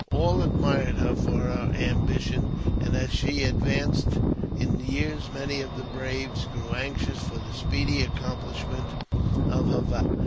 All ad mired her for her ambition, and as she advanced in years, many of the braves grew anxious for the speedy accomplish ment of her vow.